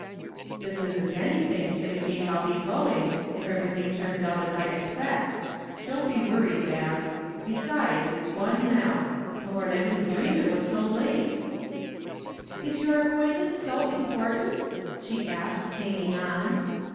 "This isn't anything to the gait I'll be going if everything turns out as I expect. Don't be worried, Babs. Besides it's one now. Lord, I didn't dream it was so late." "Is your appointment so important?" she asked, hanging on.